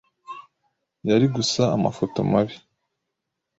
yari gusa amafoto mabi